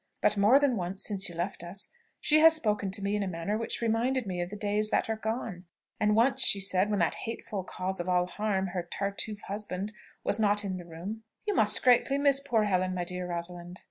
But more than once, since you left us, she has spoken to me in a manner which reminded me of the days that are gone; and once she said, when that hateful cause of all harm, her Tartuffe husband, was not in the room, 'You must greatly miss poor Helen, my dear Rosalind.'